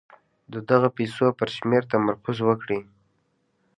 د دغو پيسو پر شمېر تمرکز وکړئ.